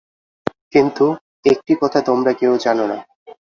কিন্তু, একটি কথা তোমরা কেউ জান না।